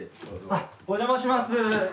あっお邪魔します。